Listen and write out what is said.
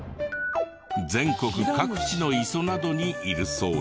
全国各地の磯などにいるそうですよ。